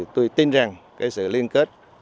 tôi tin rằng sự liên kết